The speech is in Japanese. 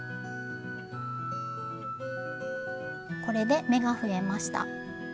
これで目が増えました。